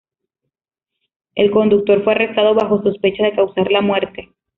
El conductor fue arrestado bajo sospecha de causar la muerte.